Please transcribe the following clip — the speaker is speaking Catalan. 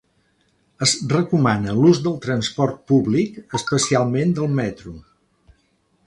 Es recomana l’ús del transport públic, especialment del metro.